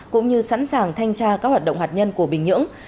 cũng như sẵn sàng thanh tra các hoạt động hạt nhân của bình nhưỡng